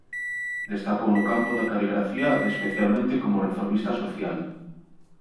Destacou no campo da caligrafía e especialmente como reformista social.